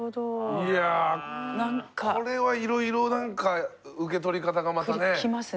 いやこれはいろいろなんか受け取り方がまたね。